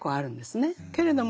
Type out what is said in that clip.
けれども